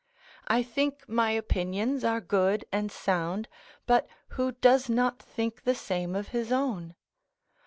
I think my opinions are good and sound, but who does not think the same of his own?